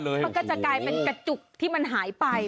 มันก็จะกลายเป็นกระจุกที่มันหายไป